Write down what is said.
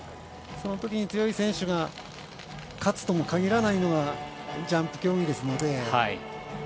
そのときに強い選手が勝つとも限らないのがジャンプ競技ですので。